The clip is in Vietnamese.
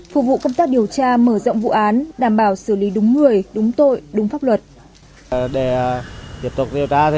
phục vụ công tác điều tra mở rộng vụ án đảm bảo xử lý đúng người đúng tội đúng pháp luật